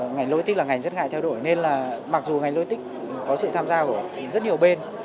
ngành logistics là ngành rất ngại thay đổi nên là mặc dù ngành logistics có sự tham gia của rất nhiều bên